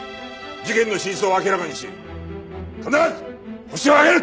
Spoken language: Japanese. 事件の真相を明らかにし必ずホシを挙げる！